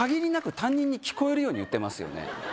「担任」に聞こえるように言ってますよね